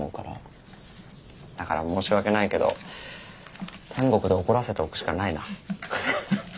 だから申し訳ないけど天国で怒らせておくしかないな。